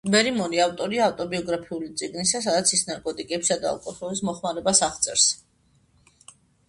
ბერიმორი ავტორია ავტობიოგრაფიული წიგნისა, სადაც ის ნარკოტიკებისა და ალკოჰოლის მოხმარებას აღწერს.